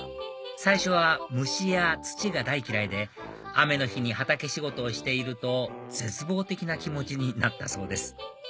最初は虫や土が大嫌いで雨の日に畑仕事をしていると絶望的な気持ちになったそうです